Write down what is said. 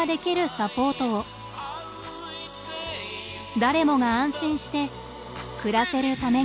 誰もが安心して暮らせるために。